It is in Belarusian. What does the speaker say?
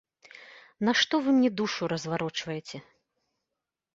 Нашто вы мне душу разварочваеце?